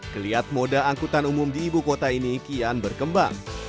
keliat moda angkutan umum di ibu kota ini kian berkembang